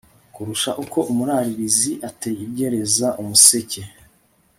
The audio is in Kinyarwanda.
kurusha uko umuraririzi ategereza umuseke